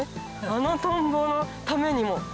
あのトンボのためにも。